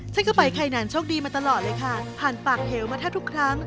ฉันก็ไปไข่นานโชคดีมาตลอดเลยค่ะผ่านปากเหวมาแทบทุกครั้ง